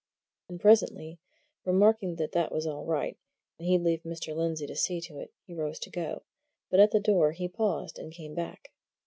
And presently, remarking that that was all right, and he'd leave Mr. Lindsey to see to it, he rose to go, but at the door paused and came back.